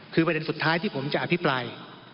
คือประเด็นสุดท้ายที่ผมจะอภิปราย